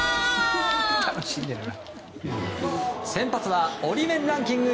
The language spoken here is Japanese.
先発はオリメンランキング